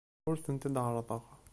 Ur tent-id-ɛerrḍeɣ.